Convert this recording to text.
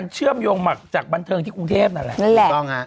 เชื่อมโยงมาจากบันเทิงที่กรุงเทพนั่นแหละ